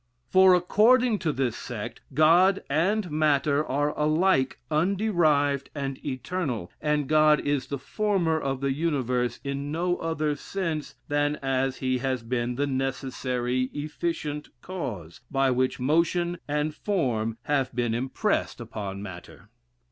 For according to this sect. God and matter are alike underived and eternal, and God is the former of the universe in no other sense than as he has been the necessary efficient cause, by which motion and form have been impressed upon matter.